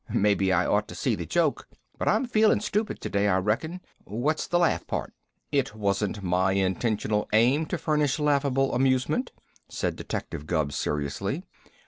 "Maybe I ought to see the joke, but I'm feelin' stupid to day, I reckon. What's the laugh part?" "It wasn't my intentional aim to furnish laughable amusement," said Detective Gubb seriously.